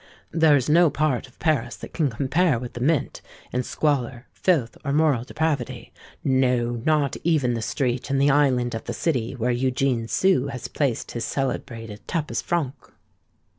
There is no part of Paris that can compare with the Mint in squalor, filth, or moral depravity;—no—not even the street in the Island of the City, where Eugene Sue has placed his celebrated tapis franc.